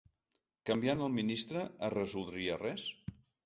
Canviant el ministre es resoldria res?